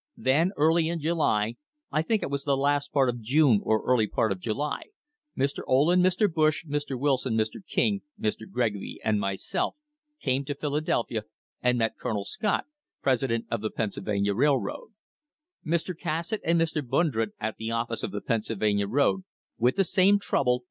Then early m July i'nk i wa ,heL p'ar, of June or early part of July Mr Oh, en, Mr. Bush, Mr Wilson, Mr. King, M, Gregory, and myself came ,o Ph.ladelph.a and met Co on Scot, president of the Pennsylvania Railroad, Mr. Cassatt, and Mr. Brundr le offic of the Pennsylvania road, with the same .rouble